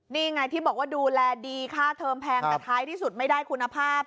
นี่ไงที่บอกว่าดูแลดีค่าเทอมแพงแต่ท้ายที่สุดไม่ได้คุณภาพ